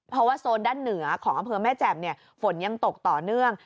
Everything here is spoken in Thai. เพราะว่าโซนด้านเหนือของอำเภอแม่แจ่มฝนยังตกต่อเนื่อง